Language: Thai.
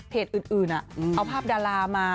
อื่นเอาภาพดารามา